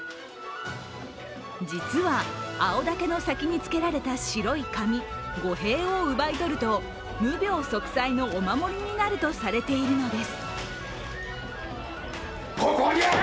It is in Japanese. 実は青竹の先に付けられた白い紙、御幣を奪い取ると無病息災のお守りになるとされているのです。